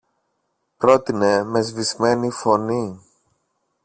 πρότεινε με σβησμένη φωνή.